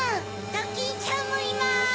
ドキンちゃんもいます！